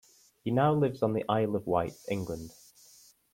He now lives on the Isle of Wight, England.